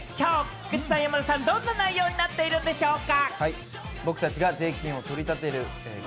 菊池さん、山田さん、どんな内容になっているんでしょうか？